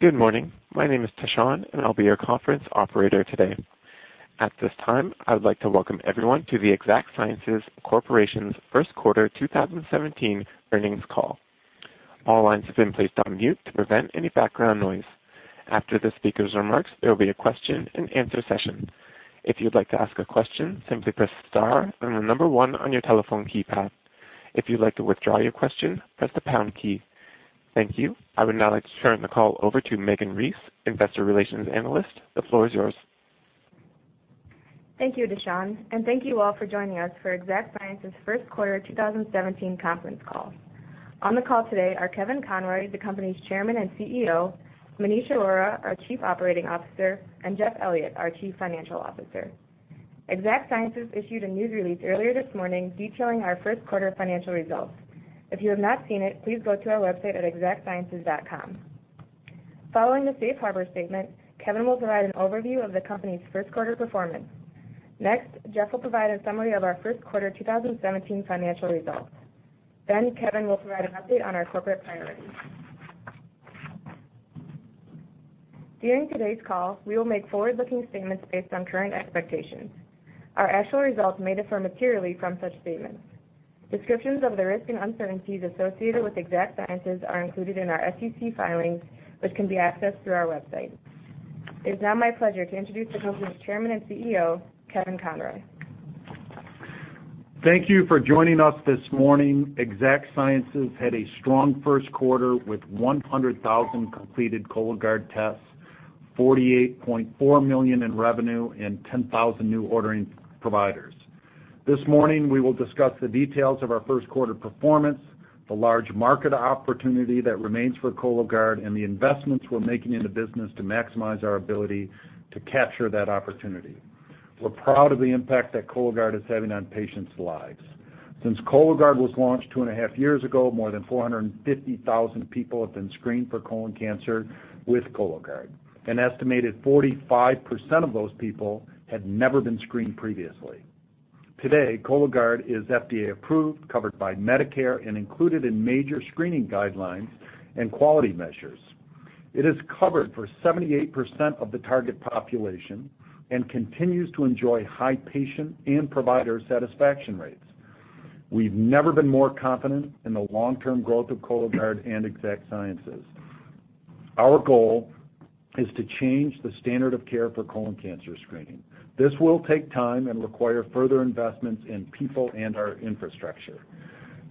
Good morning. My name is Tashawn, and I'll be your conference operator today. At this time, I would like to welcome everyone to the Exact Sciences Corporation's First Quarter 2017 Earnings Call. All lines have been placed on mute to prevent any background noise. After the speaker's remarks, there will be a question-and-answer session. If you'd like to ask a question, simply press the star and the number one on your telephone keypad. If you'd like to withdraw your question, press the pound key. Thank you. I would now like to turn the call over to Megan Reiss, Investor Relations Analyst. The floor is yours. Thank you, Tashawn. Thank you all for joining us for Exact Sciences' First Quarter 2017 Conference Call. On the call today are Kevin Conroy, the company's Chairman and CEO, Maneesh Arora, our Chief Operating Officer, and Jeff Elliott, our Chief Financial Officer. Exact Sciences issued a news release earlier this morning detailing our first quarter financial results. If you have not seen it, please go to our website at exactsciences.com. Following the safe harbor statement, Kevin will provide an overview of the company's first quarter performance. Next, Jeff will provide a summary of our first quarter 2017 financial results. Kevin will provide an update on our corporate priorities. During today's call, we will make forward-looking statements based on current expectations. Our actual results may differ materially from such statements. Descriptions of the risks and uncertainties associated with Exact Sciences are included in our SEC filings, which can be accessed through our website. It is now my pleasure to introduce the company's Chairman and CEO, Kevin Conroy. Thank you for joining us this morning. Exact Sciences had a strong first quarter with 100,000 completed Cologuard tests, $48.4 million in revenue, and 10,000 new ordering providers. This morning, we will discuss the details of our first quarter performance, the large market opportunity that remains for Cologuard, and the investments we're making in the business to maximize our ability to capture that opportunity. We're proud of the impact that Cologuard is having on patients' lives. Since Cologuard was launched two and a half years ago, more than 450,000 people have been screened for colon cancer with Cologuard. An estimated 45% of those people had never been screened previously. Today, Cologuard is FDA approved, covered by Medicare, and included in major screening guidelines and quality measures. It is covered for 78% of the target population and continues to enjoy high patient and provider satisfaction rates. We've never been more confident in the long-term growth of Cologuard and Exact Sciences. Our goal is to change the standard of care for colon cancer screening. This will take time and require further investments in people and our infrastructure.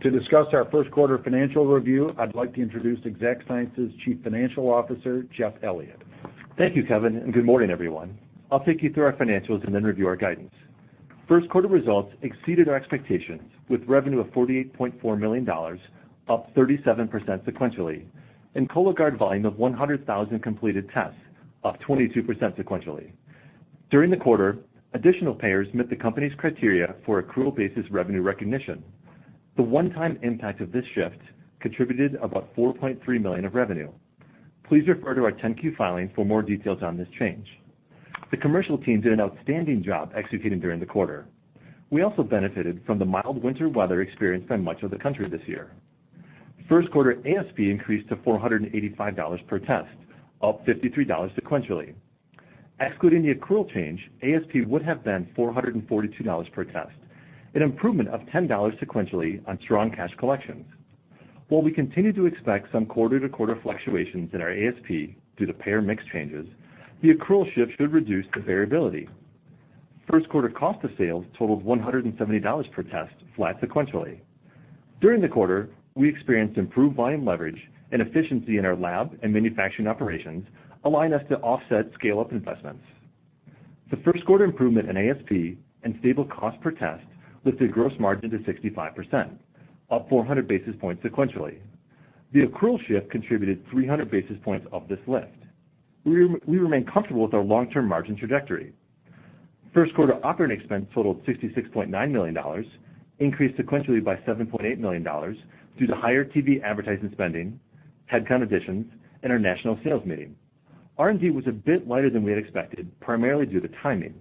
To discuss our first quarter financial review, I'd like to introduce Exact Sciences' Chief Financial Officer, Jeff Elliott. Thank you, Kevin, and good morning, everyone. I'll take you through our financials and then review our guidance. First quarter results exceeded our expectations, with revenue of $48.4 million, up 37% sequentially, and Cologuard volume of 100,000 completed tests, up 22% sequentially. During the quarter, additional payers met the company's criteria for accrual basis revenue recognition. The one-time impact of this shift contributed about $4.3 million of revenue. Please refer to our 10Q filing for more details on this change. The commercial team did an outstanding job executing during the quarter. We also benefited from the mild winter weather experienced by much of the country this year. First quarter ASP increased to $485 per test, up $53 sequentially. Excluding the accrual change, ASP would have been $442 per test, an improvement of $10 sequentially on strong cash collections. While we continue to expect some quarter-to-quarter fluctuations in our ASP due to payer mix changes, the accrual shift should reduce the variability. First quarter cost of sales totaled $170 per test, flat sequentially. During the quarter, we experienced improved volume leverage, and efficiency in our lab and manufacturing operations allowing us to offset scale-up investments. The first quarter improvement in ASP and stable cost per test lifted gross margin to 65%, up 400 basis points sequentially. The accrual shift contributed 300 basis points of this lift. We remain comfortable with our long-term margin trajectory. First quarter operating expense totaled $66.9 million, increased sequentially by $7.8 million due to higher TV advertising spending, headcount additions, and our national sales meeting. R&D was a bit lighter than we had expected, primarily due to timing.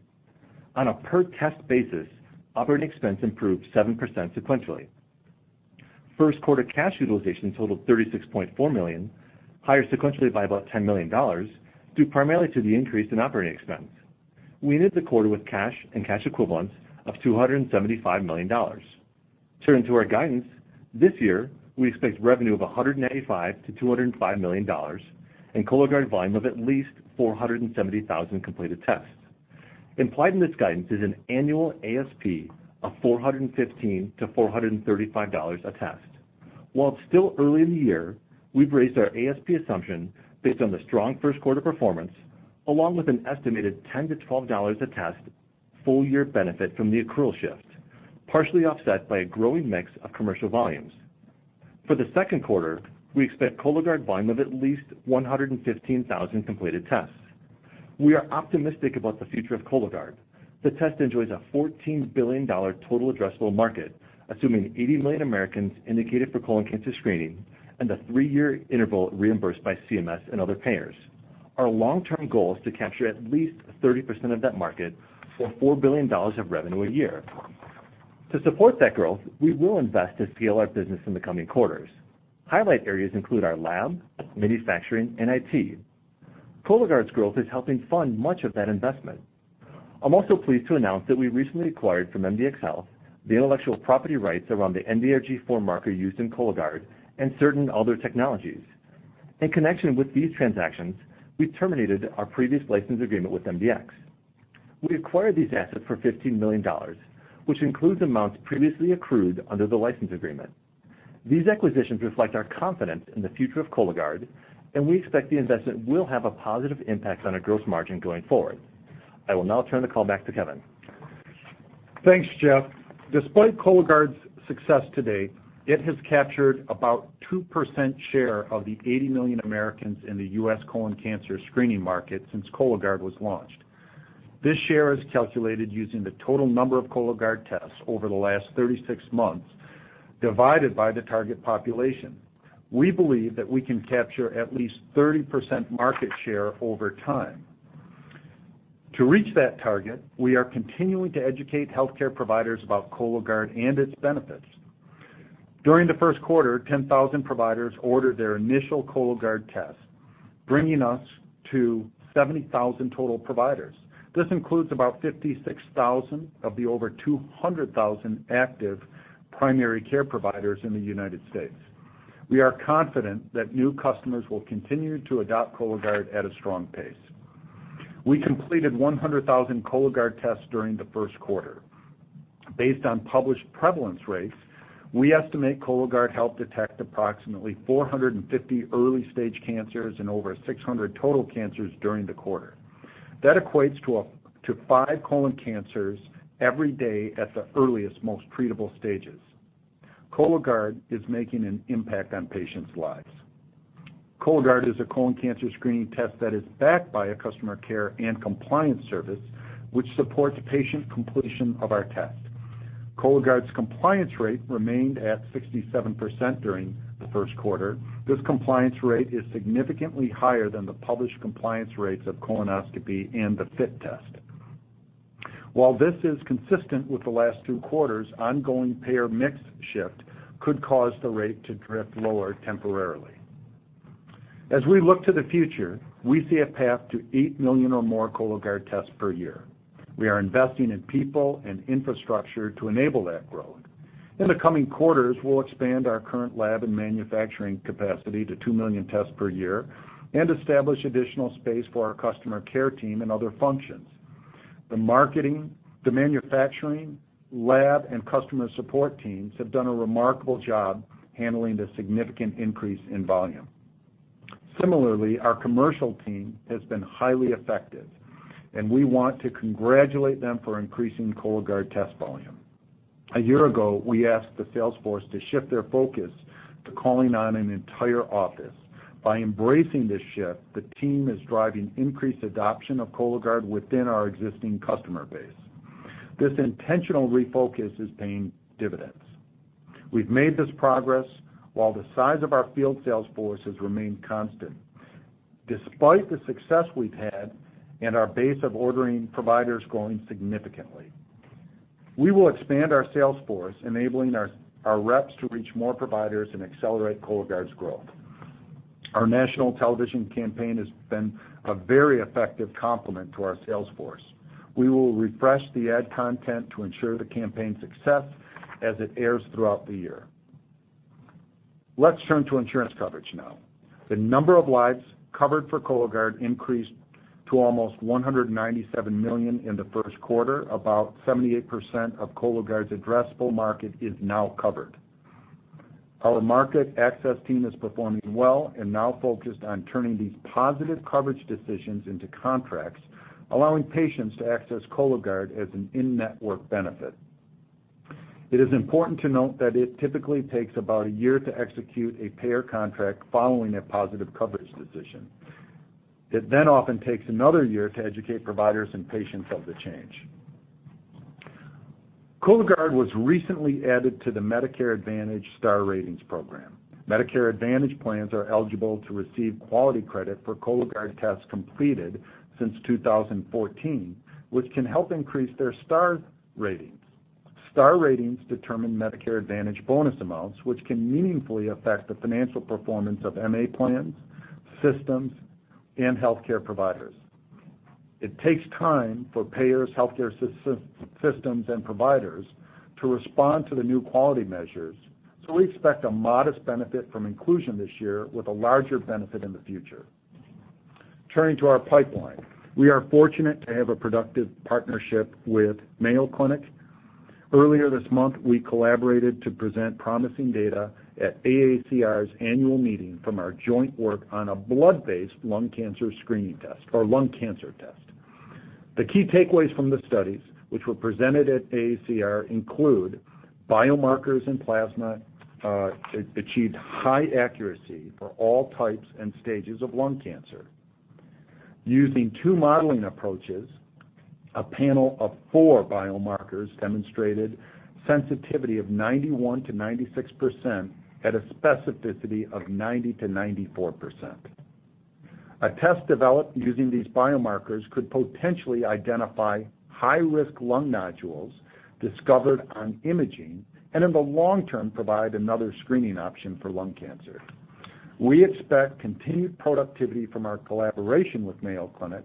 On a per-test basis, operating expense improved 7% sequentially. First quarter cash utilization totaled $36.4 million, higher sequentially by about $10 million due primarily to the increase in operating expense. We ended the quarter with cash and cash equivalents of $275 million. Turning to our guidance, this year we expect revenue of $195-$205 million and Cologuard volume of at least 470,000 completed tests. Implied in this guidance is an annual ASP of $415-$435 a test. While it's still early in the year, we've raised our ASP assumption based on the strong first quarter performance, along with an estimated $10-$12 a test full-year benefit from the accrual shift, partially offset by a growing mix of commercial volumes. For the second quarter, we expect Cologuard volume of at least 115,000 completed tests. We are optimistic about the future of Cologuard. The test enjoys a $14 billion total addressable market, assuming 80 million Americans indicated for colon cancer screening and a three-year interval reimbursed by CMS and other payers. Our long-term goal is to capture at least 30% of that market for $4 billion of revenue a year. To support that growth, we will invest to scale our business in the coming quarters. Highlight areas include our lab, manufacturing, and IT. Cologuard's growth is helping fund much of that investment. I'm also pleased to announce that we recently acquired from MDxHealth the intellectual property rights around the NDRG4 marker used in Cologuard and certain other technologies. In connection with these transactions, we terminated our previous license agreement with MDx. We acquired these assets for $15 million, which includes amounts previously accrued under the license agreement. These acquisitions reflect our confidence in the future of Cologuard, and we expect the investment will have a positive impact on our gross margin going forward. I will now turn the call back to Kevin. Thanks, Jeff. Despite Cologuard's success today, it has captured about a 2% share of the 80 million Americans in the U.S. colon cancer screening market since Cologuard was launched. This share is calculated using the total number of Cologuard tests over the last 36 months divided by the target population. We believe that we can capture at least 30% market share over time. To reach that target, we are continuing to educate healthcare providers about Cologuard and its benefits. During the first quarter, 10,000 providers ordered their initial Cologuard test, bringing us to 70,000 total providers. This includes about 56,000 of the over 200,000 active primary care providers in the United States. We are confident that new customers will continue to adopt Cologuard at a strong pace. We completed 100,000 Cologuard tests during the first quarter. Based on published prevalence rates, we estimate Cologuard helped detect approximately 450 early-stage cancers and over 600 total cancers during the quarter. That equates to five colon cancers every day at the earliest most treatable stages. Cologuard is making an impact on patients' lives. Cologuard is a colon cancer screening test that is backed by a customer care and compliance service which supports patient completion of our test. Cologuard's compliance rate remained at 67% during the first quarter. This compliance rate is significantly higher than the published compliance rates of colonoscopy and the FIT test. While this is consistent with the last two quarters, ongoing payer mix shift could cause the rate to drift lower temporarily. As we look to the future, we see a path to 8 million or more Cologuard tests per year. We are investing in people and infrastructure to enable that growth. In the coming quarters, we'll expand our current lab and manufacturing capacity to 2 million tests per year and establish additional space for our customer care team and other functions. The marketing, the manufacturing, lab, and customer support teams have done a remarkable job handling the significant increase in volume. Similarly, our commercial team has been highly effective, and we want to congratulate them for increasing Cologuard test volume. A year ago, we asked the sales force to shift their focus to calling on an entire office. By embracing this shift, the team is driving increased adoption of Cologuard within our existing customer base. This intentional refocus is paying dividends. We've made this progress while the size of our field sales force has remained constant, despite the success we've had and our base of ordering providers growing significantly. We will expand our sales force, enabling our reps to reach more providers and accelerate Cologuard's growth. Our national television campaign has been a very effective complement to our sales force. We will refresh the ad content to ensure the campaign's success as it airs throughout the year. Let's turn to insurance coverage now. The number of lives covered for Cologuard increased to almost 197 million in the first quarter, about 78% of Cologuard's addressable market is now covered. Our market access team is performing well and now focused on turning these positive coverage decisions into contracts, allowing patients to access Cologuard as an in-network benefit. It is important to note that it typically takes about a year to execute a payer contract following a positive coverage decision. It then often takes another year to educate providers and patients of the change. Cologuard was recently added to the Medicare Advantage Star Ratings Program. Medicare Advantage plans are eligible to receive quality credit for Cologuard tests completed since 2014, which can help increase their star ratings. Star ratings determine Medicare Advantage bonus amounts, which can meaningfully affect the financial performance of MA plans, systems, and healthcare providers. It takes time for payers, healthcare systems, and providers to respond to the new quality measures, so we expect a modest benefit from inclusion this year with a larger benefit in the future. Turning to our pipeline, we are fortunate to have a productive partnership with Mayo Clinic. Earlier this month, we collaborated to present promising data at AACR's annual meeting from our joint work on a blood-based lung cancer screening test or lung cancer test. The key takeaways from the studies, which were presented at AACR, include biomarkers and plasma achieved high accuracy for all types and stages of lung cancer. Using two modeling approaches, a panel of four biomarkers demonstrated sensitivity of 91%-96% at a specificity of 90%-94%. A test developed using these biomarkers could potentially identify high-risk lung nodules discovered on imaging and, in the long term, provide another screening option for lung cancer. We expect continued productivity from our collaboration with Mayo Clinic.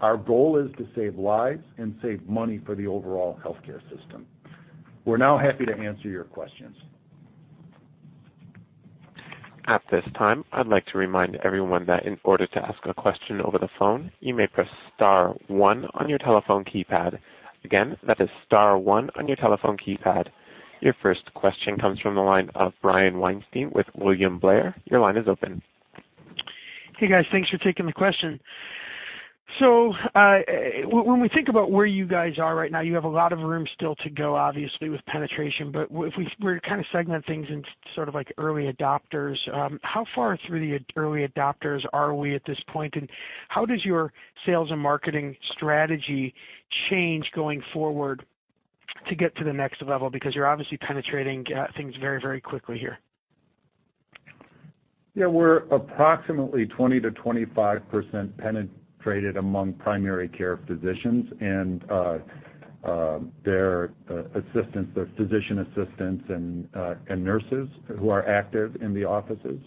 Our goal is to save lives and save money for the overall healthcare system. We're now happy to answer your questions. At this time, I'd like to remind everyone that in order to ask a question over the phone, you may press Star 1 on your telephone keypad. Again, that is Star 1 on your telephone keypad. Your first question comes from the line of Brian Weinstein with William Blair. Your line is open. Hey, guys. Thanks for taking the question. When we think about where you guys are right now, you have a lot of room still to go, obviously, with penetration. If we were to kind of segment things into sort of like early adopters, how far through the early adopters are we at this point, and how does your sales and marketing strategy change going forward to get to the next level? You are obviously penetrating things very, very quickly here. Yeah. We're approximately 20%-25% penetrated among primary care physicians and their assistants, their physician assistants, and nurses who are active in the offices.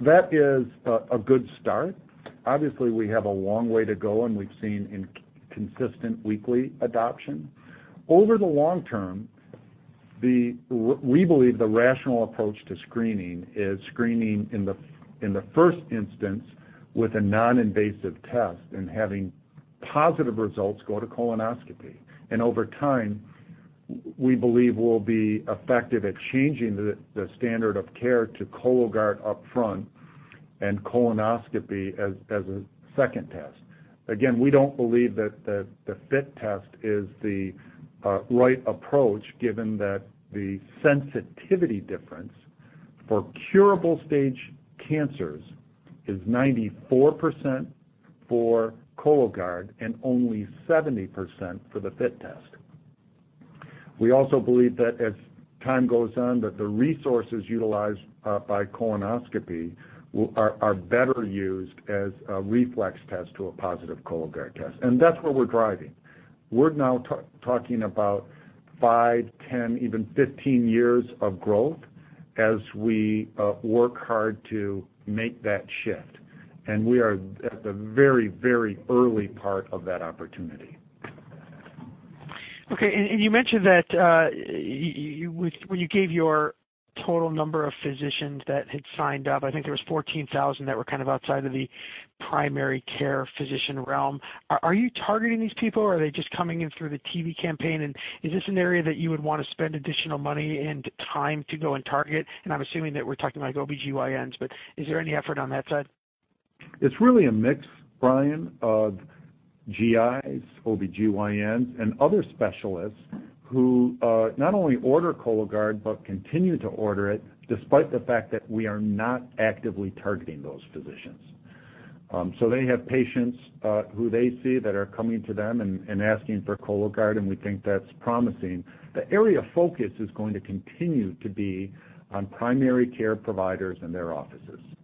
That is a good start. Obviously, we have a long way to go, and we've seen consistent weekly adoption. Over the long term, we believe the rational approach to screening is screening in the first instance with a non-invasive test and having positive results go to colonoscopy. Over time, we believe we'll be effective at changing the standard of care to Cologuard upfront and colonoscopy as a second test. Again, we don't believe that the FIT test is the right approach given that the sensitivity difference for curable stage cancers is 94% for Cologuard and only 70% for the FIT test. We also believe that as time goes on, the resources utilized by colonoscopy are better used as a reflex test to a positive Cologuard test. That is where we're driving. We're now talking about five, 10, even 15 years of growth as we work hard to make that shift. We are at the very, very early part of that opportunity. Okay. You mentioned that when you gave your total number of physicians that had signed up, I think there was 14,000 that were kind of outside of the primary care physician realm. Are you targeting these people, or are they just coming in through the TV campaign? Is this an area that you would want to spend additional money and time to go and target? I'm assuming that we're talking like OB/GYNs, but is there any effort on that side? It's really a mix, Brian, of GIs, OB/GYNs, and other specialists who not only order Cologuard but continue to order it despite the fact that we are not actively targeting those physicians. They have patients who they see that are coming to them and asking for Cologuard, and we think that's promising. The area of focus is going to continue to be on primary care providers and their offices. Okay.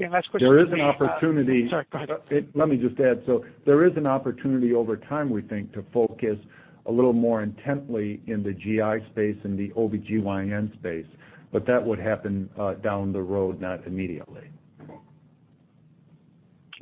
Last question. There is an opportunity. Sorry. Go ahead. Let me just add. There is an opportunity over time, we think, to focus a little more intently in the GI space and the OB/GYN space, but that would happen down the road, not immediately.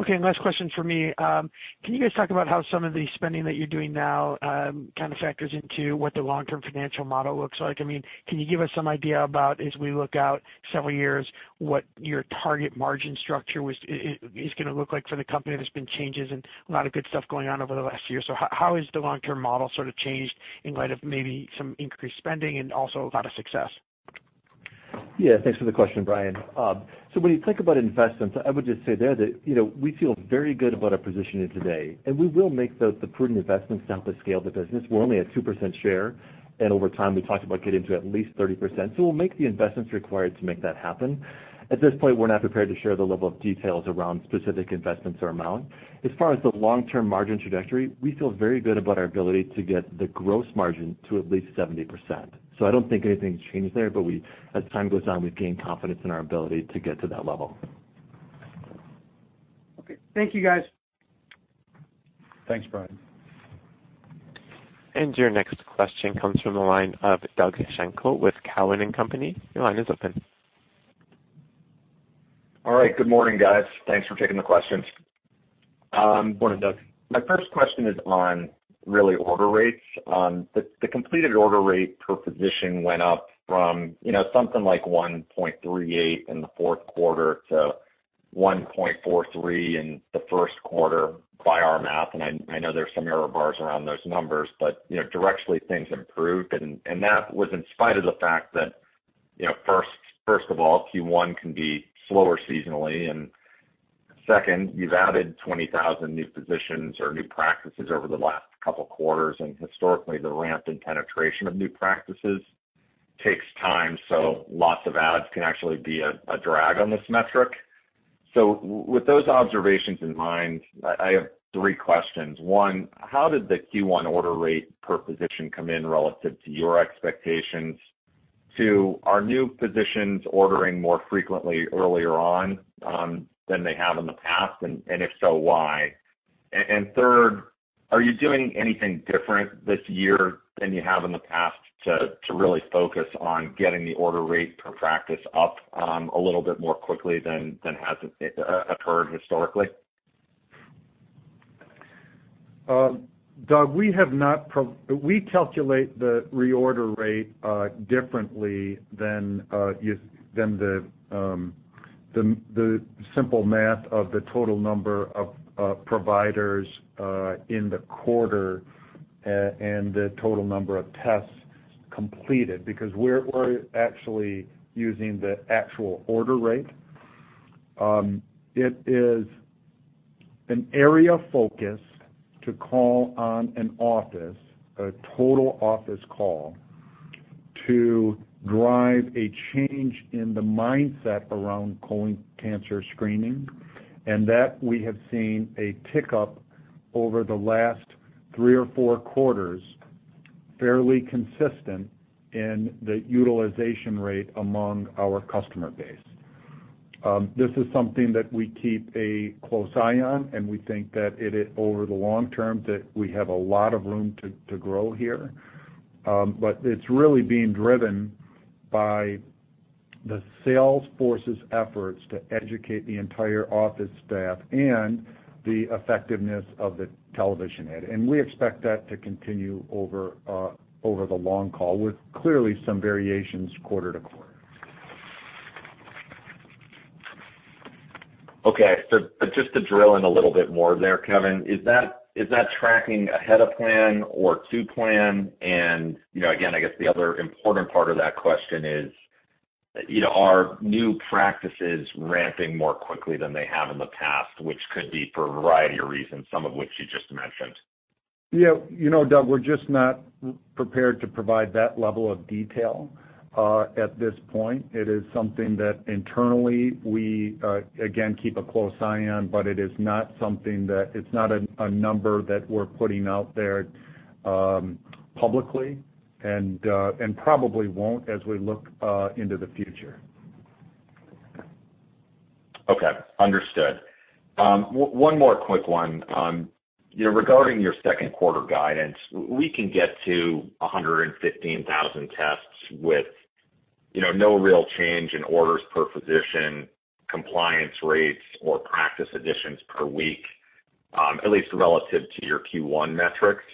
Okay. Last question for me. Can you guys talk about how some of the spending that you're doing now kind of factors into what the long-term financial model looks like? I mean, can you give us some idea about, as we look out several years, what your target margin structure is going to look like for the company? There's been changes and a lot of good stuff going on over the last year. How has the long-term model sort of changed in light of maybe some increased spending and also a lot of success? Yeah. Thanks for the question, Brian. When you think about investments, I would just say there that we feel very good about our position today. We will make the prudent investments now to scale the business. We're only at 2% share. Over time, we talked about getting to at least 30%. We will make the investments required to make that happen. At this point, we're not prepared to share the level of details around specific investments or amount. As far as the long-term margin trajectory, we feel very good about our ability to get the gross margin to at least 70%. I don't think anything's changed there, but as time goes on, we've gained confidence in our ability to get to that level. Okay. Thank you, guys. Thanks, Brian. Your next question comes from the line of Doug Schenkel with Cowen & Company. Your line is open. All right. Good morning, guys. Thanks for taking the questions. Morning, Doug. My first question is on really order rates. The completed order rate per physician went up from something like 1.38 in the fourth quarter to 1.43 in the first quarter by our math. I know there are some error bars around those numbers, but directly, things improved. That was in spite of the fact that, first of all, Q1 can be slower seasonally. Second, you have added 20,000 new physicians or new practices over the last couple of quarters. Historically, the ramp and penetration of new practices takes time, so lots of adds can actually be a drag on this metric. With those observations in mind, I have three questions. One, how did the Q1 order rate per physician come in relative to your expectations? Two, are new physicians ordering more frequently earlier on than they have in the past? If so, why? Are you doing anything different this year than you have in the past to really focus on getting the order rate per practice up a little bit more quickly than has occurred historically? Doug, we calculate the reorder rate differently than the simple math of the total number of providers in the quarter and the total number of tests completed because we're actually using the actual order rate. It is an area of focus to call on an office, a total office call, to drive a change in the mindset around colon cancer screening. We have seen a pickup over the last three or four quarters, fairly consistent in the utilization rate among our customer base. This is something that we keep a close eye on, and we think that over the long term we have a lot of room to grow here. It is really being driven by the sales force's efforts to educate the entire office staff and the effectiveness of the television ad. We expect that to continue over the long call with clearly some variations quarter to quarter. Okay. Just to drill in a little bit more there, Kevin, is that tracking ahead of plan or to plan? I guess the other important part of that question is, are new practices ramping more quickly than they have in the past, which could be for a variety of reasons, some of which you just mentioned? Yeah. Doug, we're just not prepared to provide that level of detail at this point. It is something that internally we, again, keep a close eye on, but it is not something that, it's not a number that we're putting out there publicly and probably won't as we look into the future. Okay. Understood. One more quick one. Regarding your second quarter guidance, we can get to 115,000 tests with no real change in orders per physician, compliance rates, or practice additions per week, at least relative to your Q1 metrics.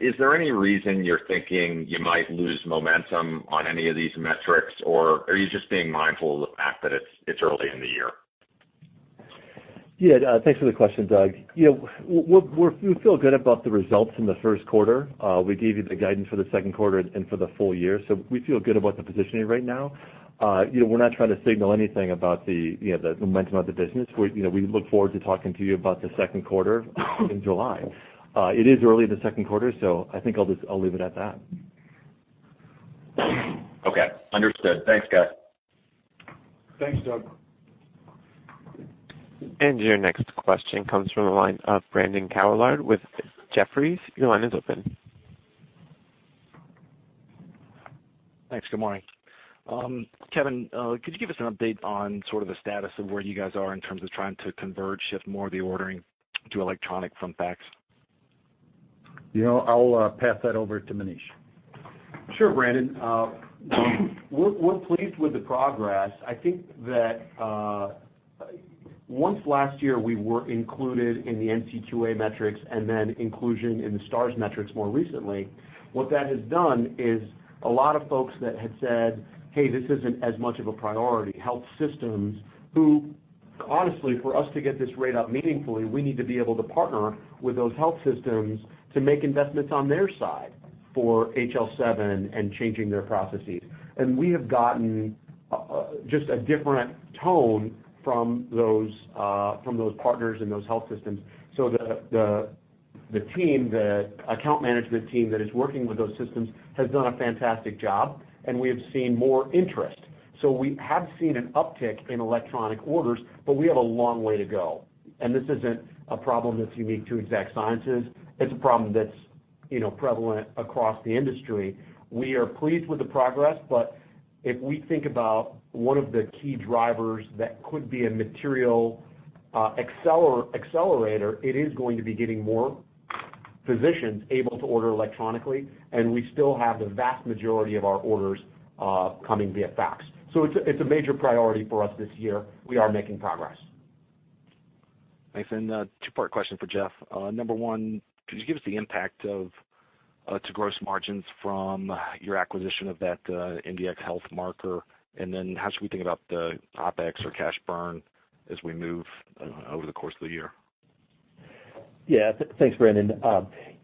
Is there any reason you're thinking you might lose momentum on any of these metrics, or are you just being mindful of the fact that it's early in the year? Yeah. Thanks for the question, Doug. We feel good about the results in the first quarter. We gave you the guidance for the second quarter and for the full year. We feel good about the positioning right now. We're not trying to signal anything about the momentum of the business. We look forward to talking to you about the second quarter in July. It is early in the second quarter, so I think I'll leave it at that. Okay. Understood. Thanks, guys. Thanks, Doug. Your next question comes from the line of Brandon Couillard with Jefferies. Your line is open. Thanks. Good morning. Kevin, could you give us an update on sort of the status of where you guys are in terms of trying to converge, shift more of the ordering to electronic from fax? I'll pass that over to Maneesh. Sure, Brandon. We're pleased with the progress. I think that once last year we were included in the NCQA metrics and then inclusion in the STARS metrics more recently, what that has done is a lot of folks that had said, "Hey, this isn't as much of a priority," health systems who, honestly, for us to get this rate up meaningfully, we need to be able to partner with those health systems to make investments on their side for HL7 and changing their processes. We have gotten just a different tone from those partners and those health systems. The account management team that is working with those systems has done a fantastic job, and we have seen more interest. We have seen an uptick in electronic orders, but we have a long way to go. This isn't a problem that's unique to Exact Sciences. It's a problem that's prevalent across the industry. We are pleased with the progress, but if we think about one of the key drivers that could be a material accelerator, it is going to be getting more physicians able to order electronically. We still have the vast majority of our orders coming via fax. It is a major priority for us this year. We are making progress. Thanks. Two-part question for Jeff. Number one, could you give us the impact to gross margins from your acquisition of that MDxHealth marker? How should we think about the OpEx or cash burn as we move over the course of the year? Yeah. Thanks, Brandon.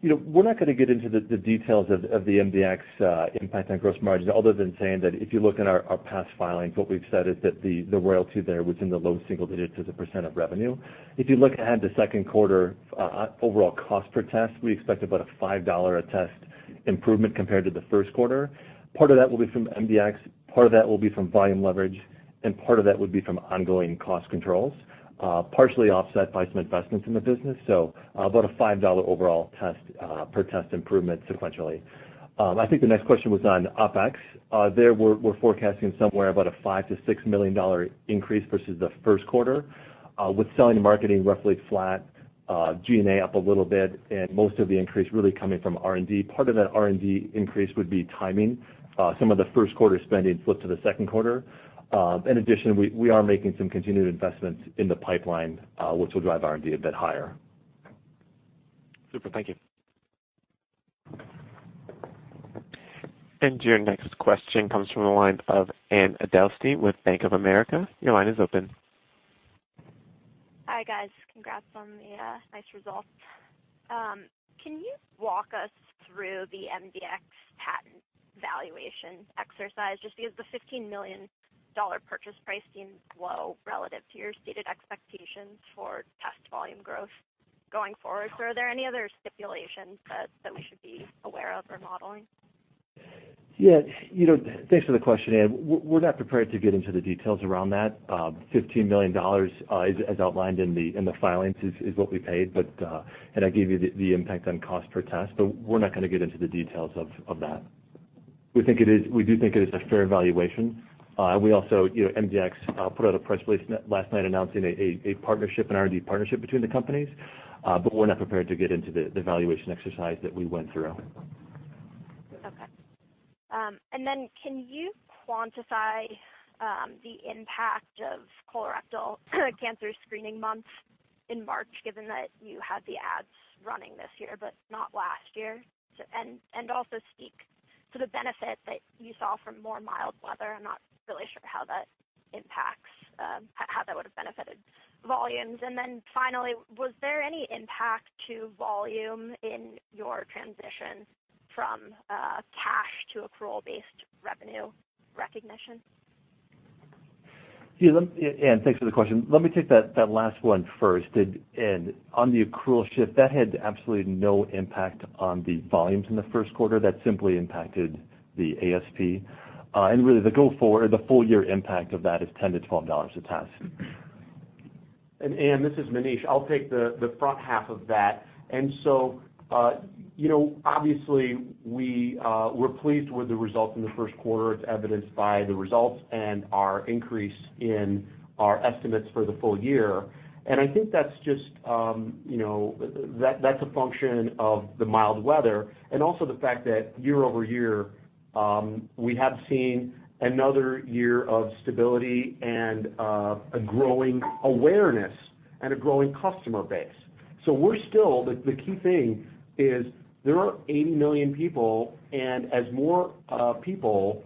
We're not going to get into the details of the MDx impact on gross margins other than saying that if you look at our past filings, what we've said is that the royalty there was in the low single digits as a % of revenue. If you look ahead to second quarter overall cost per test, we expect about a $5 a test improvement compared to the first quarter. Part of that will be from MDx. Part of that will be from volume leverage. Part of that would be from ongoing cost controls, partially offset by some investments in the business. About a $5 overall test per test improvement sequentially. I think the next question was on OpEx. There, we're forecasting somewhere about a $5 million-$6 million increase versus the first quarter, with selling and marketing roughly flat, G&A up a little bit, and most of the increase really coming from R&D. Part of that R&D increase would be timing. Some of the first quarter spending flips to the second quarter. In addition, we are making some continued investments in the pipeline, which will drive R&D a bit higher. Super. Thank you. Your next question comes from the line of Anne Edelstein with Bank of America. Your line is open. Hi, guys. Congrats on the nice results. Can you walk us through the MDx patent valuation exercise? Just because the $15 million purchase price seems low relative to your stated expectations for test volume growth going forward. Are there any other stipulations that we should be aware of or modeling? Yeah. Thanks for the question, Anne. We're not prepared to get into the details around that. $15 million, as outlined in the filings, is what we paid, and I gave you the impact on cost per test. We're not going to get into the details of that. We do think it is a fair valuation. We also, MDxHealth, put out a press release last night announcing a partnership, an R&D partnership between the companies. We're not prepared to get into the valuation exercise that we went through. Okay. Can you quantify the impact of colorectal cancer screening months in March, given that you had the ads running this year but not last year? Also, can you speak to the benefit that you saw from more mild weather? I'm not really sure how that impacts, how that would have benefited volumes. Finally, was there any impact to volume in your transition from cash to accrual-based revenue recognition? Yeah. Anne, thanks for the question. Let me take that last one first. On the accrual shift, that had absolutely no impact on the volumes in the first quarter. That simply impacted the ASP. Really, the full year impact of that is $10-$12 a test. Anne, this is Maneesh. I'll take the front half of that. Obviously, we're pleased with the results in the first quarter. It's evidenced by the results and our increase in our estimates for the full year. I think that's just a function of the mild weather and also the fact that year over year, we have seen another year of stability and a growing awareness and a growing customer base. The key thing is there are 80 million people. As more people,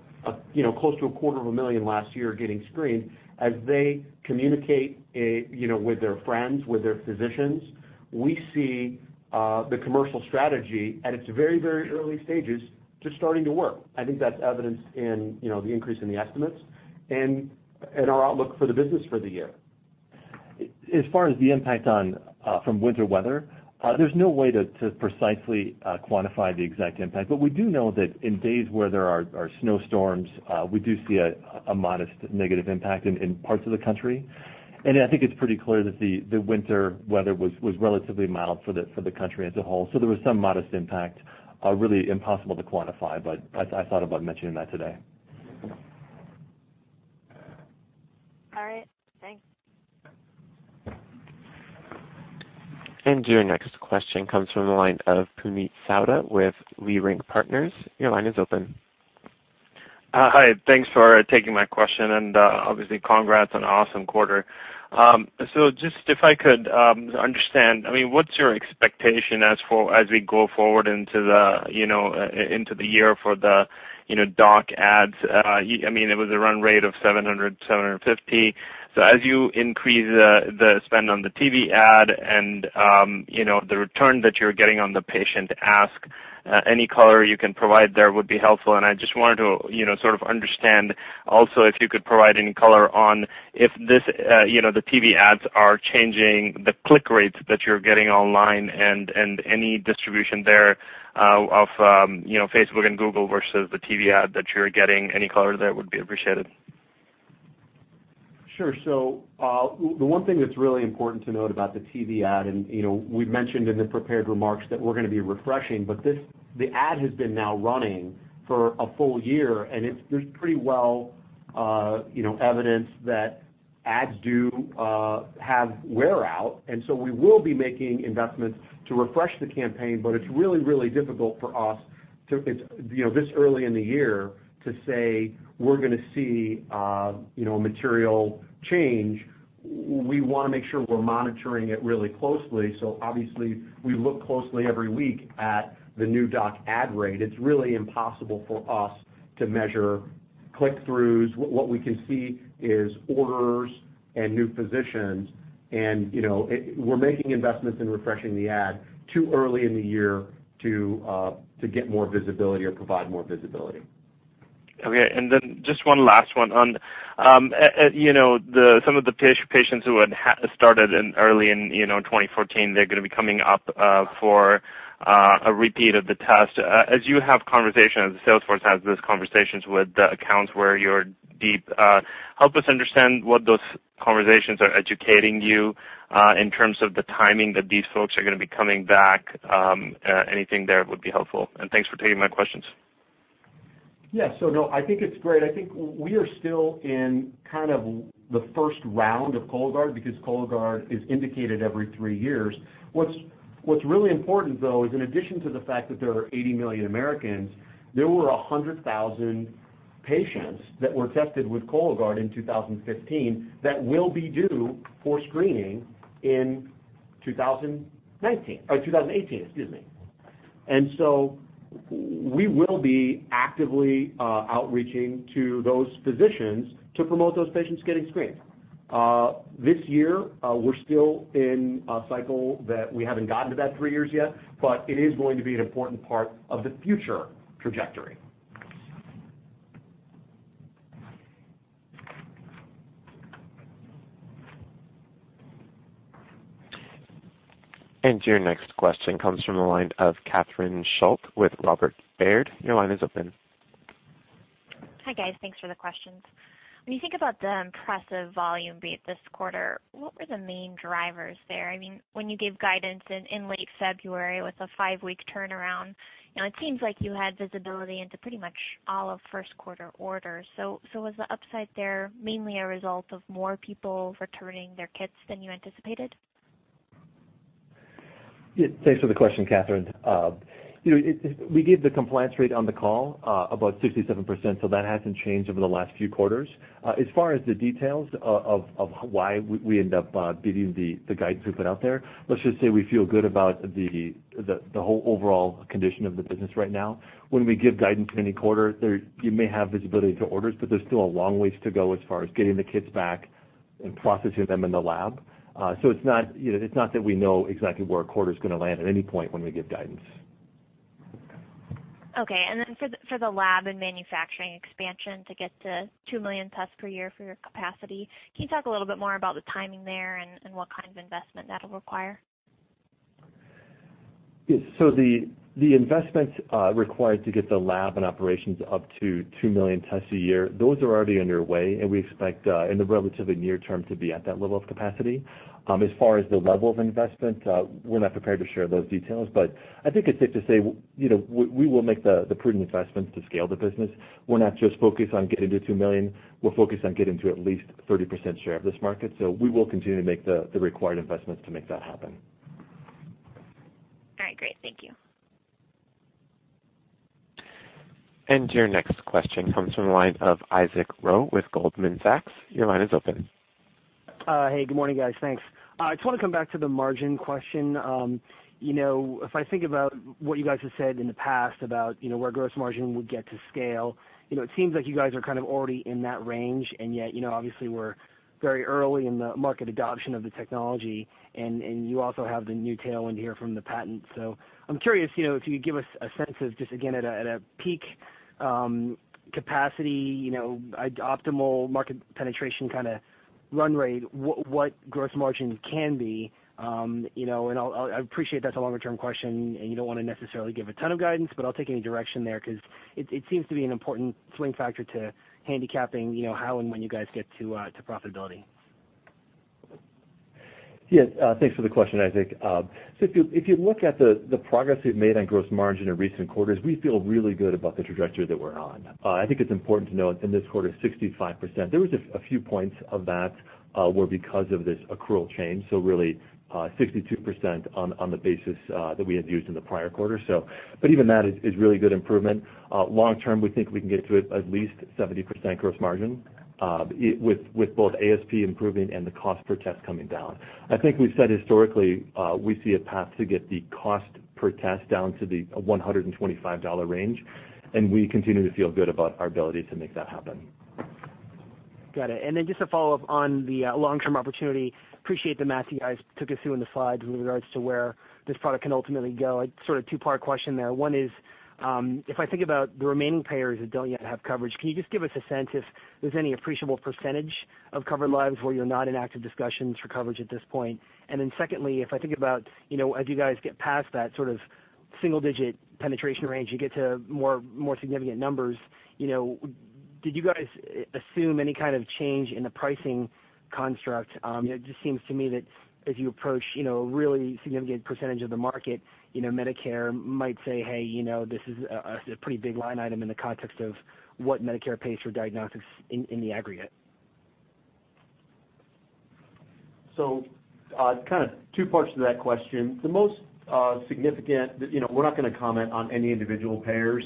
close to a quarter of a million last year, are getting screened, as they communicate with their friends, with their physicians, we see the commercial strategy at its very, very early stages just starting to work. I think that's evidenced in the increase in the estimates and our outlook for the business for the year. As far as the impact from winter weather, there's no way to precisely quantify the exact impact. We do know that in days where there are snowstorms, we do see a modest negative impact in parts of the country. I think it's pretty clear that the winter weather was relatively mild for the country as a whole. There was some modest impact, really impossible to quantify, but I thought about mentioning that today. All right. Thanks. Your next question comes from the line of Puneet Souda with Leerink Partners. Your line is open. Hi. Thanks for taking my question. Obviously, congrats on an awesome quarter. Just if I could understand, I mean, what's your expectation as we go forward into the year for the doc ads? I mean, it was a run rate of 700-750. As you increase the spend on the TV ad and the return that you're getting on the patient ask, any color you can provide there would be helpful. I just wanted to sort of understand also if you could provide any color on if the TV ads are changing the click rates that you're getting online and any distribution there of Facebook and Google versus the TV ad that you're getting. Any color there would be appreciated. Sure. The one thing that's really important to note about the TV ad, and we mentioned in the prepared remarks that we're going to be refreshing, but the ad has been now running for a full year, and there's pretty well evidence that ads do have wear out. We will be making investments to refresh the campaign, but it's really, really difficult for us this early in the year to say we're going to see a material change. We want to make sure we're monitoring it really closely. Obviously, we look closely every week at the new doc ad rate. It's really impossible for us to measure click-throughs. What we can see is orders and new physicians. We're making investments in refreshing the ad too early in the year to get more visibility or provide more visibility. Okay. And then just one last one on some of the patients who had started in early in 2014, they're going to be coming up for a repeat of the test. As you have conversations, Salesforce has those conversations with the accounts where you're deep. Help us understand what those conversations are educating you in terms of the timing that these folks are going to be coming back. Anything there would be helpful. And thanks for taking my questions. Yeah. No, I think it's great. I think we are still in kind of the first round of Cologuard because Cologuard is indicated every three years. What's really important, though, is in addition to the fact that there are 80 million Americans, there were 100,000 patients that were tested with Cologuard in 2015 that will be due for screening in 2018, excuse me. We will be actively outreaching to those physicians to promote those patients getting screened. This year, we're still in a cycle that we haven't gotten to that three years yet, but it is going to be an important part of the future trajectory. Your next question comes from the line of Catherine Schulte with Robert Baird. Your line is open. Hi, guys. Thanks for the questions. When you think about the impressive volume beat this quarter, what were the main drivers there? I mean, when you gave guidance in late February with a five-week turnaround, it seems like you had visibility into pretty much all of first-quarter orders. Was the upside there mainly a result of more people returning their kits than you anticipated? Yeah. Thanks for the question, Catherine. We gave the compliance rate on the call about 67%, so that hasn't changed over the last few quarters. As far as the details of why we end up giving the guidance we put out there, let's just say we feel good about the whole overall condition of the business right now. When we give guidance in any quarter, you may have visibility into orders, but there's still a long ways to go as far as getting the kits back and processing them in the lab. It's not that we know exactly where a quarter is going to land at any point when we give guidance. Okay. For the lab and manufacturing expansion to get to 2 million tests per year for your capacity, can you talk a little bit more about the timing there and what kind of investment that'll require? Yeah. The investments required to get the lab and operations up to 2 million tests a year, those are already underway, and we expect in the relatively near term to be at that level of capacity. As far as the level of investment, we're not prepared to share those details. I think it's safe to say we will make the prudent investments to scale the business. We're not just focused on getting to 2 million. We're focused on getting to at least 30% share of this market. We will continue to make the required investments to make that happen. All right. Great. Thank you. Your next question comes from the line of Isaac Ro with Goldman Sachs. Your line is open. Hey. Good morning, guys. Thanks. I just want to come back to the margin question. If I think about what you guys have said in the past about where gross margin would get to scale, it seems like you guys are kind of already in that range. Yet, obviously, we're very early in the market adoption of the technology. You also have the new tailwind here from the patent. I'm curious if you could give us a sense of just, again, at a peak capacity, optimal market penetration kind of run rate, what gross margin can be. I appreciate that's a longer-term question, and you don't want to necessarily give a ton of guidance, but I'll take any direction there because it seems to be an important swing factor to handicapping how and when you guys get to profitability. Yeah. Thanks for the question, Isaac. If you look at the progress we've made on gross margin in recent quarters, we feel really good about the trajectory that we're on. I think it's important to note in this quarter, 65%. There was a few points of that where because of this accrual change, so really 62% on the basis that we had used in the prior quarter. Even that is really good improvement. Long term, we think we can get to at least 70% gross margin with both ASP improving and the cost per test coming down. I think we've said historically we see a path to get the cost per test down to the $125 range. We continue to feel good about our ability to make that happen. Got it. And then just to follow up on the long-term opportunity, appreciate the math you guys took us through in the slides with regards to where this product can ultimately go. Sort of two-part question there. One is, if I think about the remaining payers that do not yet have coverage, can you just give us a sense if there is any appreciable percentage of covered lives where you are not in active discussions for coverage at this point? And then secondly, if I think about as you guys get past that sort of single-digit penetration range, you get to more significant numbers, did you guys assume any kind of change in the pricing construct? It just seems to me that as you approach a really significant percentage of the market, Medicare might say, "Hey, this is a pretty big line item in the context of what Medicare pays for diagnostics in the aggregate. Kind of two parts to that question. The most significant, we're not going to comment on any individual payers,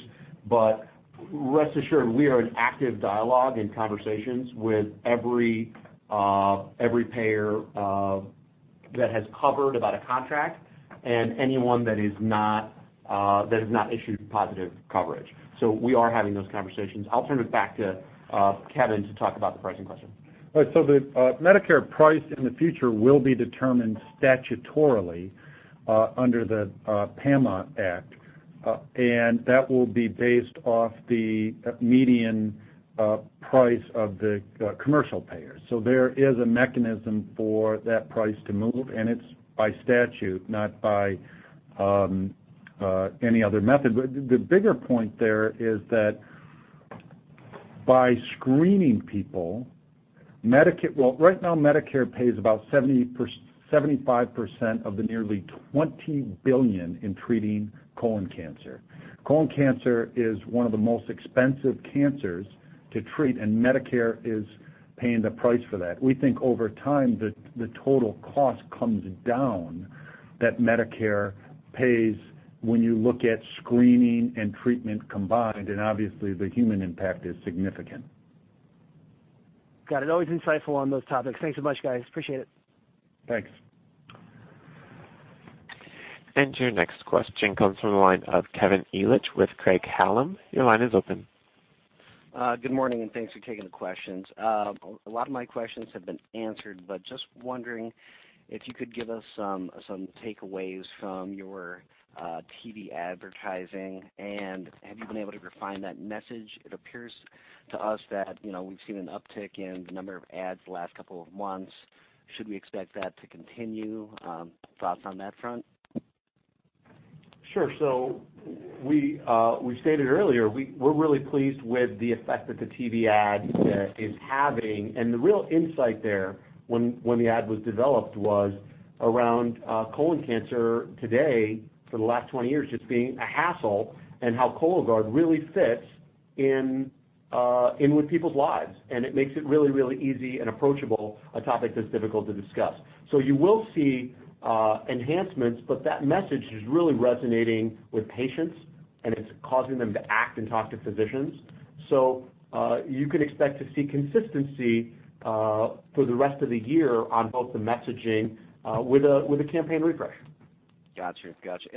but rest assured we are in active dialogue and conversations with every payer that has covered about a contract and anyone that has not issued positive coverage. We are having those conversations. I'll turn it back to Kevin to talk about the pricing question. The Medicare price in the future will be determined statutorily under the PAMA Act. That will be based off the median price of the commercial payers. There is a mechanism for that price to move, and it is by statute, not by any other method. The bigger point there is that by screening people, Medicare, right now, Medicare pays about 75% of the nearly $20 billion in treating colon cancer. Colon cancer is one of the most expensive cancers to treat, and Medicare is paying the price for that. We think over time, the total cost comes down that Medicare pays when you look at screening and treatment combined. Obviously, the human impact is significant. Got it. Always insightful on those topics. Thanks so much, guys. Appreciate it. Thanks. Your next question comes from the line of Kevin Ellich with Craig-Hallum. Your line is open. Good morning, and thanks for taking the questions. A lot of my questions have been answered, but just wondering if you could give us some takeaways from your TV advertising, and have you been able to refine that message? It appears to us that we've seen an uptick in the number of ads the last couple of months. Should we expect that to continue? Thoughts on that front? Sure. We stated earlier, we're really pleased with the effect that the TV ad is having. The real insight there when the ad was developed was around colon cancer today for the last 20 years just being a hassle and how Cologuard really fits in with people's lives. It makes it really, really easy and approachable, a topic that's difficult to discuss. You will see enhancements, but that message is really resonating with patients, and it's causing them to act and talk to physicians. You can expect to see consistency for the rest of the year on both the messaging with a campaign refresh. Gotcha. Gotcha.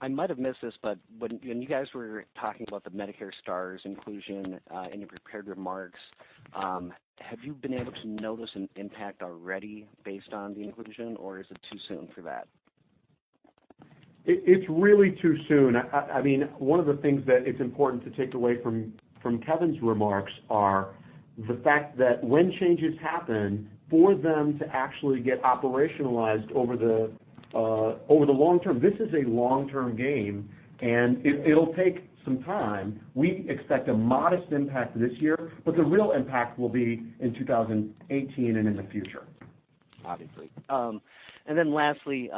I might have missed this, but when you guys were talking about the Medicare Star Ratings inclusion in your prepared remarks, have you been able to notice an impact already based on the inclusion, or is it too soon for that? It's really too soon. I mean, one of the things that it's important to take away from Kevin's remarks are the fact that when changes happen, for them to actually get operationalized over the long term, this is a long-term game, and it'll take some time. We expect a modest impact this year, but the real impact will be in 2018 and in the future. Obviously. Lastly,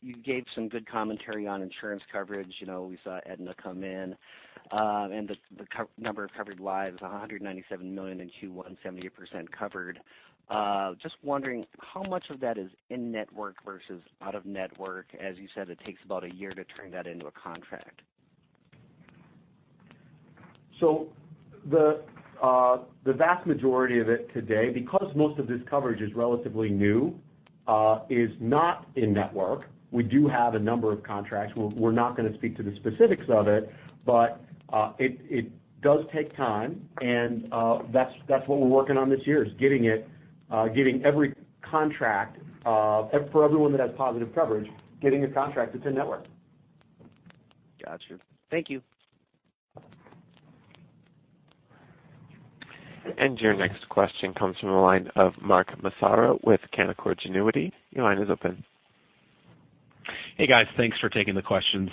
you gave some good commentary on insurance coverage. We saw Aetna come in, and the number of covered lives is 197 million in Q1, 78% covered. Just wondering, how much of that is in-network versus out-of-network? As you said, it takes about a year to turn that into a contract. The vast majority of it today, because most of this coverage is relatively new, is not in-network. We do have a number of contracts. We're not going to speak to the specifics of it, but it does take time. That is what we're working on this year, getting every contract for everyone that has positive coverage, getting a contract that is in-network. Gotcha. Thank you. Your next question comes from the line of Mark Massaro with Canaccord Genuity. Your line is open. Hey, guys. Thanks for taking the questions.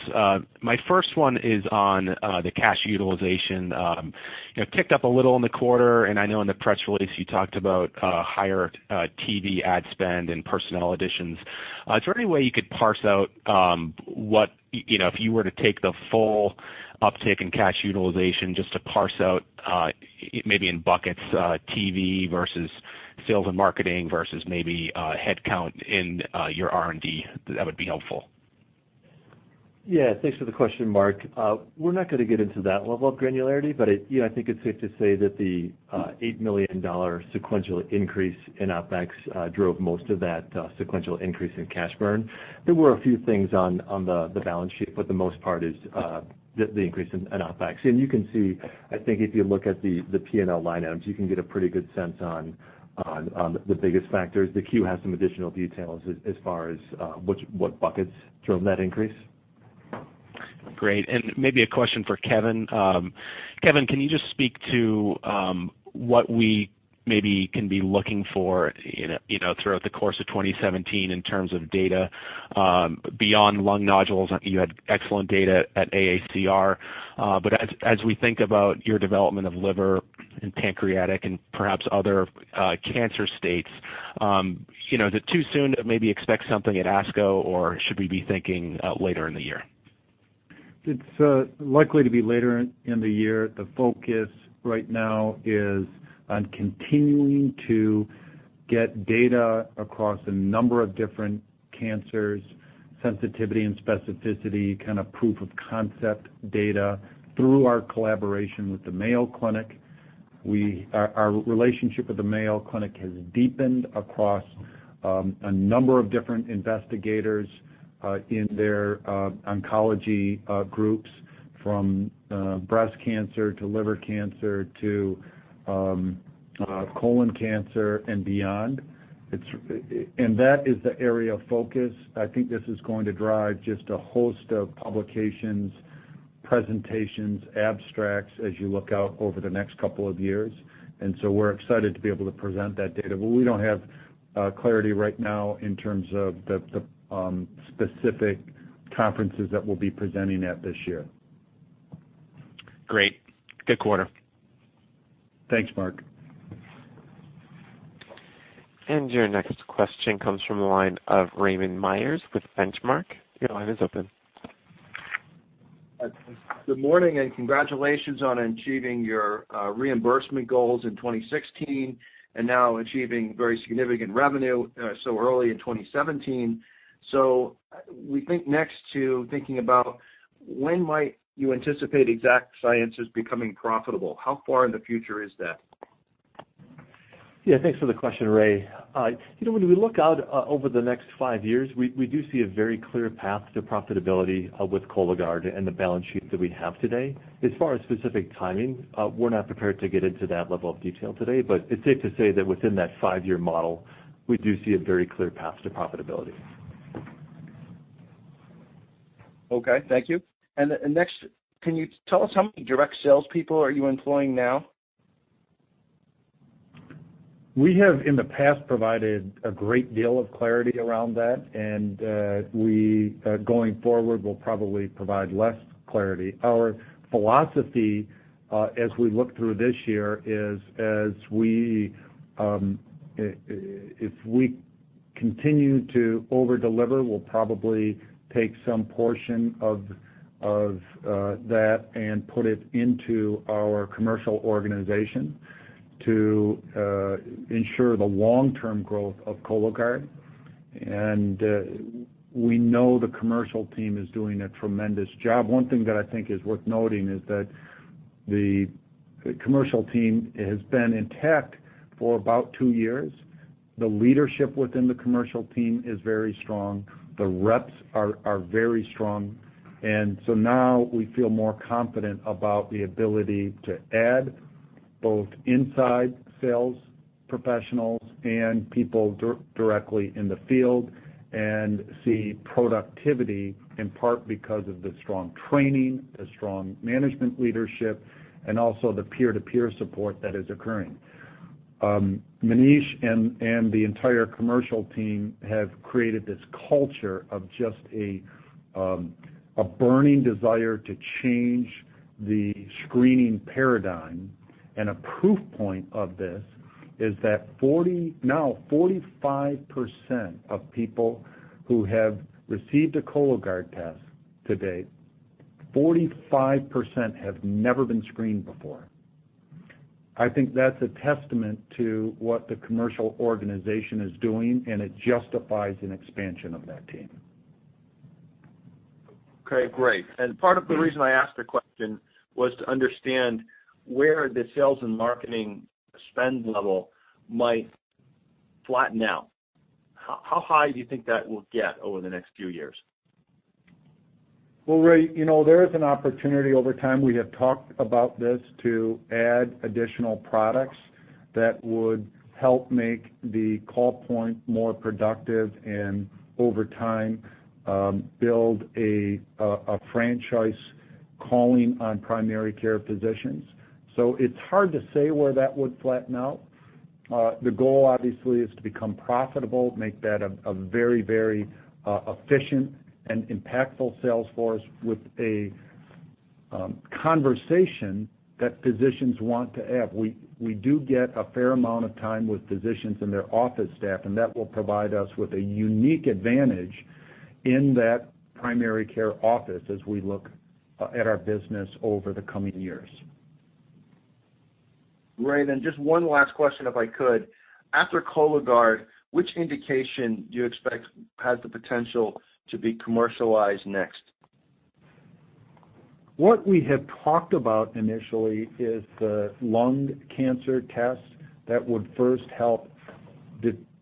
My first one is on the cash utilization. It picked up a little in the quarter, and I know in the press release you talked about higher TV ad spend and personnel additions. Is there any way you could parse out what if you were to take the full uptick in cash utilization, just to parse out maybe in buckets, TV versus sales and marketing versus maybe headcount in your R&D, that would be helpful? Yeah. Thanks for the question, Mark. We're not going to get into that level of granularity, but I think it's safe to say that the $8 million sequential increase in OpEx drove most of that sequential increase in cash burn. There were a few things on the balance sheet, but for the most part it is the increase in OpEx. You can see, I think if you look at the P&L line items, you can get a pretty good sense on the biggest factors. The Q has some additional details as far as what buckets drove that increase. Great. Maybe a question for Kevin. Kevin, can you just speak to what we maybe can be looking for throughout the course of 2017 in terms of data beyond lung nodules? You had excellent data at AACR. As we think about your development of liver and pancreatic and perhaps other cancer states, is it too soon to maybe expect something at ASCO, or should we be thinking later in the year? It's likely to be later in the year. The focus right now is on continuing to get data across a number of different cancers, sensitivity and specificity, kind of proof-of-concept data through our collaboration with the Mayo Clinic. Our relationship with the Mayo Clinic has deepened across a number of different investigators in their oncology groups from breast cancer to liver cancer to colon cancer and beyond. That is the area of focus. I think this is going to drive just a host of publications, presentations, abstracts as you look out over the next couple of years. We are excited to be able to present that data. We do not have clarity right now in terms of the specific conferences that we will be presenting at this year. Great. Good quarter. Thanks, Mark. Your next question comes from the line of Raymond Myers with Benchmark. Your line is open. Good morning, and congratulations on achieving your reimbursement goals in 2016 and now achieving very significant revenue so early in 2017. We think next to thinking about when might you anticipate Exact Sciences becoming profitable? How far in the future is that? Yeah. Thanks for the question, Ray. When we look out over the next five years, we do see a very clear path to profitability with Cologuard and the balance sheet that we have today. As far as specific timing, we're not prepared to get into that level of detail today. It is safe to say that within that five-year model, we do see a very clear path to profitability. Okay. Thank you. Next, can you tell us how many direct salespeople are you employing now? We have, in the past, provided a great deal of clarity around that. Going forward, we'll probably provide less clarity. Our philosophy as we look through this year is if we continue to overdeliver, we'll probably take some portion of that and put it into our commercial organization to ensure the long-term growth of Cologuard. We know the commercial team is doing a tremendous job. One thing that I think is worth noting is that the commercial team has been intact for about two years. The leadership within the commercial team is very strong. The reps are very strong. Now we feel more confident about the ability to add both inside sales professionals and people directly in the field and see productivity in part because of the strong training, the strong management leadership, and also the peer-to-peer support that is occurring. Maneesh and the entire commercial team have created this culture of just a burning desire to change the screening paradigm. A proof point of this is that now 45% of people who have received a Cologuard test to date, 45% have never been screened before. I think that's a testament to what the commercial organization is doing, and it justifies an expansion of that team. Okay. Great. Part of the reason I asked the question was to understand where the sales and marketing spend level might flatten out. How high do you think that will get over the next few years? Rayy, there is an opportunity over time. We have talked about this to add additional products that would help make the call point more productive and over time build a franchise calling on primary care physicians. It is hard to say where that would flatten out. The goal, obviously, is to become profitable, make that a very, very efficient and impactful sales force with a conversation that physicians want to have. We do get a fair amount of time with physicians and their office staff, and that will provide us with a unique advantage in that primary care office as we look at our business over the coming years. Rayy, then just one last question if I could. After Cologuard, which indication do you expect has the potential to be commercialized next? What we have talked about initially is the lung cancer test that would first help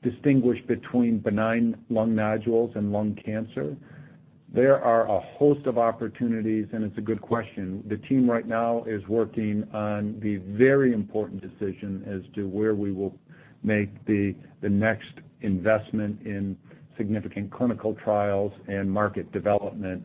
distinguish between benign lung nodules and lung cancer. There are a host of opportunities, and it's a good question. The team right now is working on the very important decision as to where we will make the next investment in significant clinical trials and market development.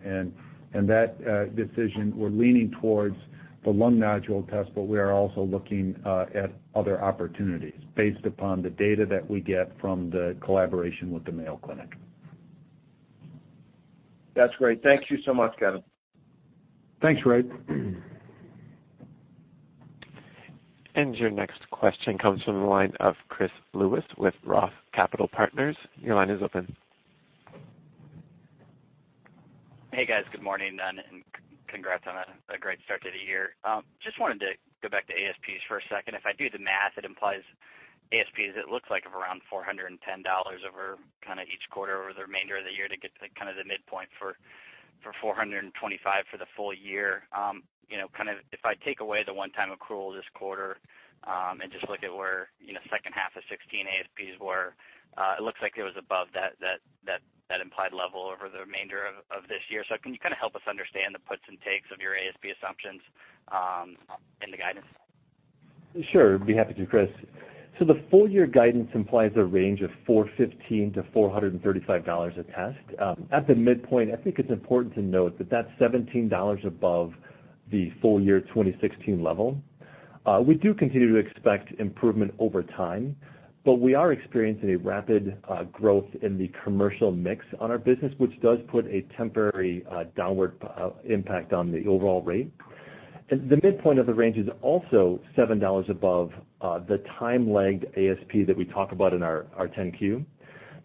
That decision, we're leaning towards the lung nodule test, but we are also looking at other opportunities based upon the data that we get from the collaboration with the Mayo Clinic. That's great. Thank you so much, Kevin. Thanks, Ray. Your next question comes from the line of Chris Lewis with Roth Capital Partners. Your line is open. Hey, guys. Good morning, and congrats on a great start to the year. Just wanted to go back to ASPs for a second. If I do the math, it implies ASPs, it looks like, of around $410 over kind of each quarter over the remainder of the year to get to kind of the midpoint for $425 for the full year. Kind of if I take away the one-time accrual this quarter and just look at where second half of 2016 ASPs were, it looks like it was above that implied level over the remainder of this year. Can you kind of help us understand the puts and takes of your ASP assumptions and the guidance? Sure. I'd be happy to, Chris. The full-year guidance implies a range of $415-$435 a test. At the midpoint, I think it's important to note that that's $17 above the full-year 2016 level. We do continue to expect improvement over time, but we are experiencing a rapid growth in the commercial mix on our business, which does put a temporary downward impact on the overall rate. The midpoint of the range is also $7 above the time-lagged ASP that we talk about in our 10Q.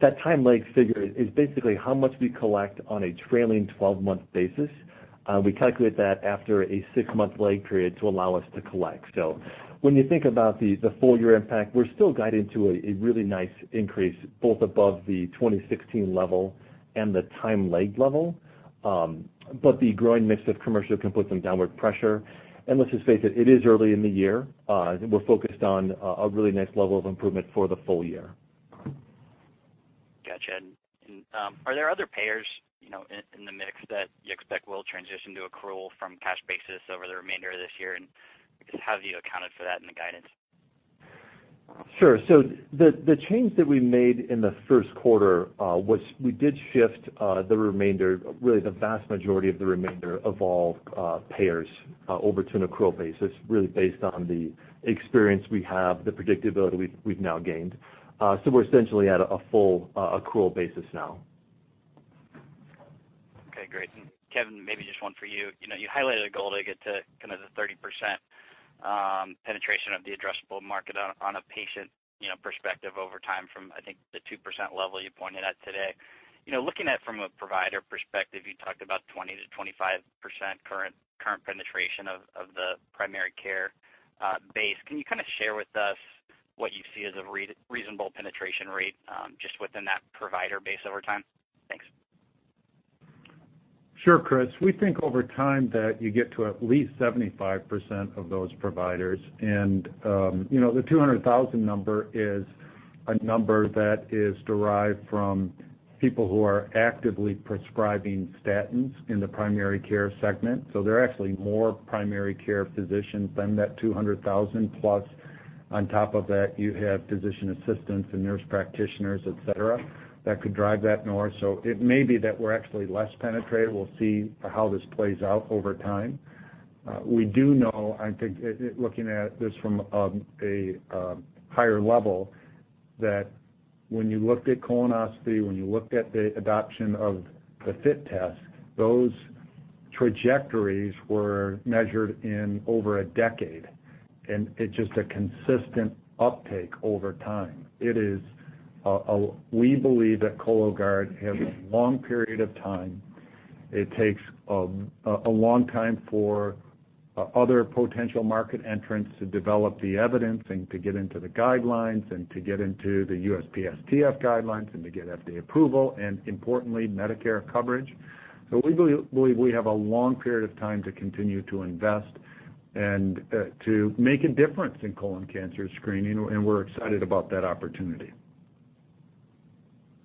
That time-lagged figure is basically how much we collect on a trailing 12-month basis. We calculate that after a six-month lag period to allow us to collect. When you think about the full-year impact, we're still guided to a really nice increase both above the 2016 level and the time-lagged level. The growing mix of commercial can put some downward pressure. Let's just face it, it is early in the year. We're focused on a really nice level of improvement for the full year. Gotcha. Are there other payers in the mix that you expect will transition to accrual from cash basis over the remainder of this year? How have you accounted for that in the guidance? Sure. The change that we made in the first quarter was we did shift the remainder, really the vast majority of the remainder of all payers over to an accrual basis, really based on the experience we have, the predictability we have now gained. We are essentially at a full accrual basis now. Okay. Great. Kevin, maybe just one for you. You highlighted a goal to get to kind of the 30% penetration of the addressable market on a patient perspective over time from, I think, the 2% level you pointed at today. Looking at it from a provider perspective, you talked about 20-25% current penetration of the primary care base. Can you kind of share with us what you see as a reasonable penetration rate just within that provider base over time? Thanks. Sure, Chris. We think over time that you get to at least 75% of those providers. And the 200,000 number is a number that is derived from people who are actively prescribing statins in the primary care segment. There are actually more primary care physicians than that 200,000. Plus, on top of that, you have physician assistants and nurse practitioners, etc., that could drive that north. It may be that we're actually less penetrated. We'll see how this plays out over time. We do know, I think, looking at this from a higher level, that when you looked at colonoscopy, when you looked at the adoption of the FIT test, those trajectories were measured in over a decade. It's just a consistent uptake over time. We believe that Cologuard has a long period of time. It takes a long time for other potential market entrants to develop the evidence and to get into the guidelines and to get into the USPSTF guidelines and to get FDA approval and, importantly, Medicare coverage. We believe we have a long period of time to continue to invest and to make a difference in colon cancer screening. We're excited about that opportunity.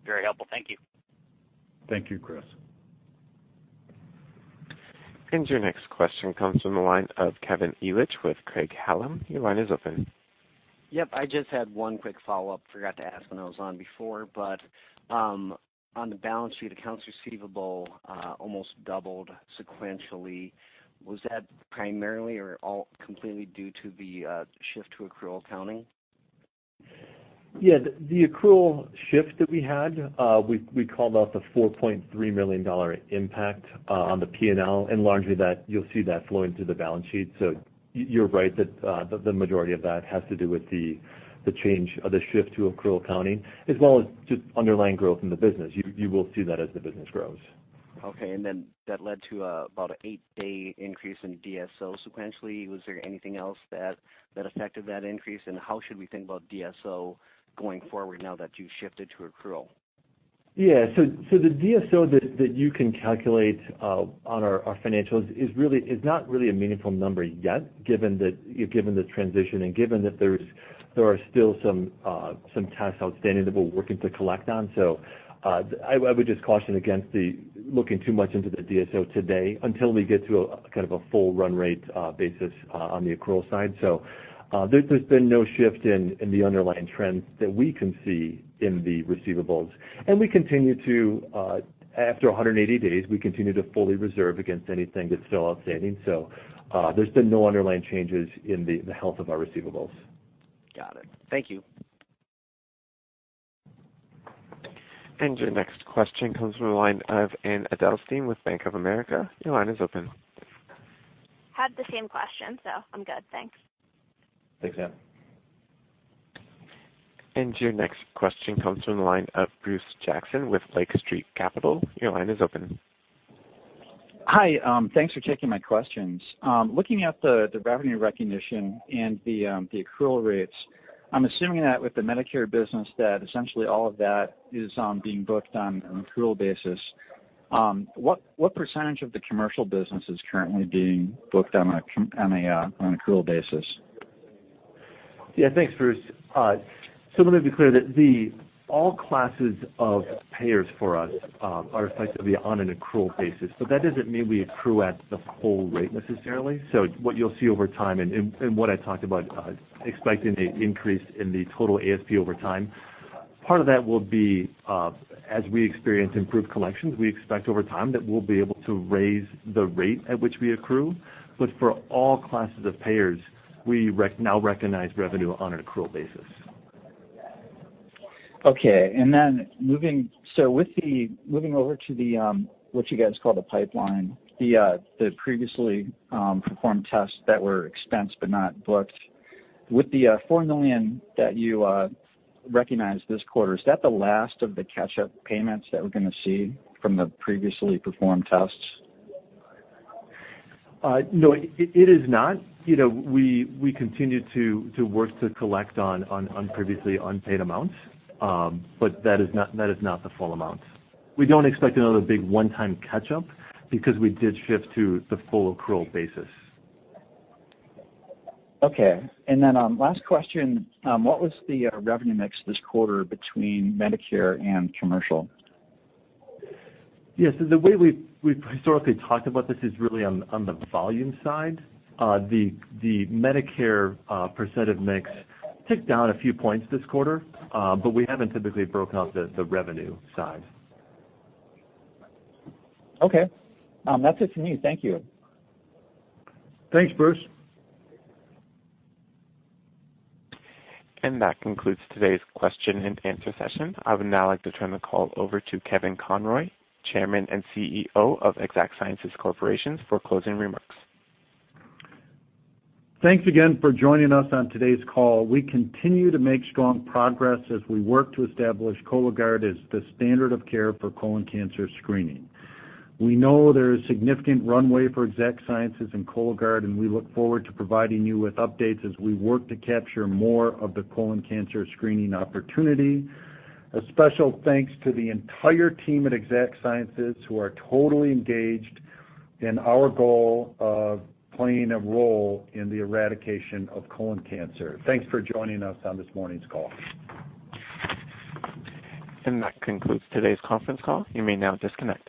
Very helpful. Thank you. Thank you, Chris. Your next question comes from the line of Kevin Ellich with Craig-Hallum. Your line is open. Yep. I just had one quick follow-up. Forgot to ask when I was on before. On the balance sheet, accounts receivable almost doubled sequentially. Was that primarily or completely due to the shift to accrual accounting? Yeah. The accrual shift that we had, we called out the $4.3 million impact on the P&L. Largely, you'll see that flowing through the balance sheet. You're right that the majority of that has to do with the change or the shift to accrual accounting, as well as just underlying growth in the business. You will see that as the business grows. Okay. And then that led to about an eight-day increase in DSO sequentially. Was there anything else that affected that increase? How should we think about DSO going forward now that you shifted to accrual? Yeah. The DSO that you can calculate on our financials is not really a meaningful number yet, given the transition and given that there are still some tasks outstanding that we're working to collect on. I would just caution against looking too much into the DSO today until we get to kind of a full run rate basis on the accrual side. There's been no shift in the underlying trends that we can see in the receivables. We continue to, after 180 days, fully reserve against anything that's still outstanding. There's been no underlying changes in the health of our receivables. Got it. Thank you. Your next question comes from the line of Anne Edelstein with Bank of America. Your line is open. Had the same question, so I'm good. Thanks. Thanks, Anne. Your next question comes from the line of Bruce Jackson with Lake Street Capital. Your line is open. Hi. Thanks for taking my questions. Looking at the revenue recognition and the accrual rates, I'm assuming that with the Medicare business, that essentially all of that is being booked on an accrual basis. What percentage of the commercial business is currently being booked on an accrual basis? Yeah. Thanks, Bruce. Let me be clear that all classes of payers for us are effectively on an accrual basis. That does not mean we accrue at the full rate necessarily. What you will see over time and what I talked about, expecting an increase in the total ASP over time, part of that will be as we experience improved collections, we expect over time that we will be able to raise the rate at which we accrue. For all classes of payers, we now recognize revenue on an accrual basis. Okay. And then moving, so with the moving over to what you guys call the pipeline, the previously performed tests that were expensed but not booked, with the $4 million that you recognize this quarter, is that the last of the catch-up payments that we're going to see from the previously performed tests? No, it is not. We continue to work to collect on previously unpaid amounts, but that is not the full amount. We do not expect another big one-time catch-up because we did shift to the full accrual basis. Okay. And then last question. What was the revenue mix this quarter between Medicare and commercial? Yeah. The way we've historically talked about this is really on the volume side. The Medicare % of mix ticked down a few points this quarter, but we haven't typically broken off the revenue side. Okay. That's it for me. Thank you. Thanks, Bruce. That concludes today's question and answer session. I would now like to turn the call over to Kevin Conroy, Chairman and CEO of Exact Sciences Corporation, for closing remarks. Thanks again for joining us on today's call. We continue to make strong progress as we work to establish Cologuard as the standard of care for colon cancer screening. We know there is a significant runway for Exact Sciences and Cologuard, and we look forward to providing you with updates as we work to capture more of the colon cancer screening opportunity. A special thanks to the entire team at Exact Sciences who are totally engaged in our goal of playing a role in the eradication of colon cancer. Thanks for joining us on this morning's call. That concludes today's conference call. You may now disconnect.